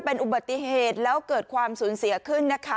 เป็นอุบัติเหตุแล้วเกิดความสูญเสียขึ้นนะคะ